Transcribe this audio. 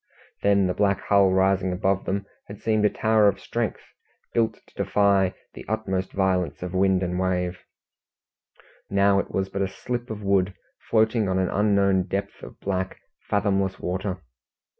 Then the black hull rising above them, had seemed a tower of strength, built to defy the utmost violence of wind and wave; now it was but a slip of wood floating on an unknown depth of black, fathomless water.